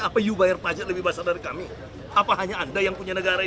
apa you bayar pajak lebih besar dari kami apa hanya anda yang punya negara ini